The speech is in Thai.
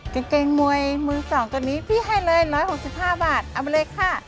กางเกงมวยมือ๒ตัวนี้พี่ให้เลย๑๖๕บาทเอามาเลยค่ะ